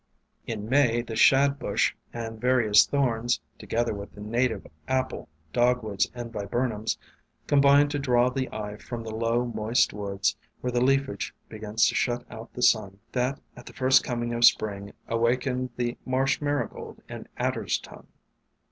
In May the Shad bush and various Thorns, together with 276 WAYFARERS the native Apple, Dogwoods, and Viburnums, com bine to draw the eye from the low, moist woods, where the leafage begins to shut out the sun that at the first coming of Spring awakened the Marsh Marigold and Adder's Tongue.